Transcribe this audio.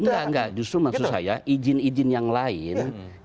enggak enggak justru maksud saya izin izin yang lain